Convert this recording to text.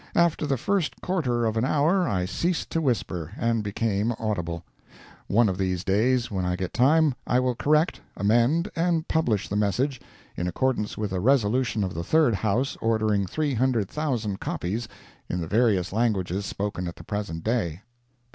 After the first quarter of an hour I ceased to whisper, and became audible. One of these days, when I get time, I will correct, amend and publish the message, in accordance with a resolution of the Third House ordering 300,000 copies in the various languages spoken at the present day.